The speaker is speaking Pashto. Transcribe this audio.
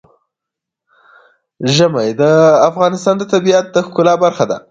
ژمی د افغانستان د طبیعت د ښکلا برخه ده.